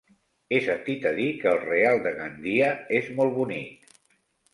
He sentit a dir que el Real de Gandia és molt bonic.